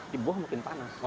di bawah mungkin panas